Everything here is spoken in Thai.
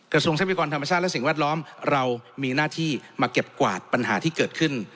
ทรัพยากรธรรมชาติและสิ่งแวดล้อมเรามีหน้าที่มาเก็บกวาดปัญหาที่เกิดขึ้น